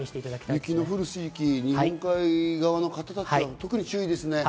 雪の降る地域、日本海側の方は特に注意ですね。